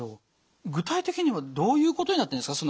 具体的にはどういうことになってるんですか？